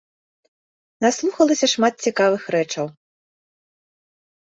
Наслухалася шмат цікавых рэчаў.